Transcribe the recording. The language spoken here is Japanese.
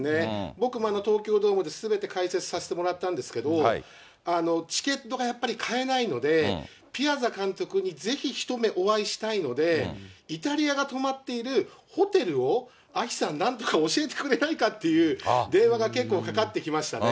僕、東京ドームですべて解説させてもらったんですけど、チケットがやっぱり買えないので、ピアザ監督にぜひ一目お会いしたいので、イタリアが泊まっているホテルをアキさん、なんとか教えてくれないかっていう電話が結構かかってきましたね。